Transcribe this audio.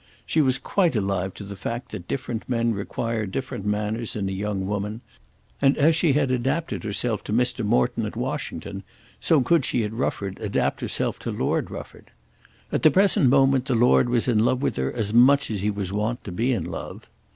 She was quite alive to the fact that different men require different manners in a young woman; and as she had adapted herself to Mr. Morton at Washington, so could she at Rufford adapt herself to Lord Rufford. At the present moment the lord was in love with her as much as he was wont to be in love.